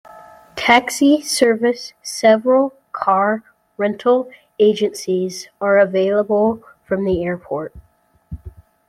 Taxi service several car rental agencies are available from the airport.